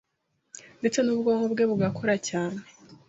ndetse n’ubwonko bwe bugakora cyane.